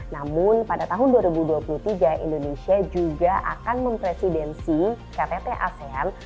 namun pada tahun dua ribu dua puluh tiga indonesia juga akan mempresidensi ktt asean